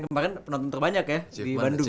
kemarin penonton terbanyak ya di bandung